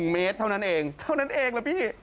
๑เมตรเท่านั้นเองเท่านั้นเองล่ะพี่